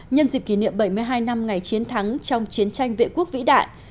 nhân dịp kỷ niệm bảy mươi hai năm ngày chiến thắng trong chiến tranh vệ quốc vĩ đại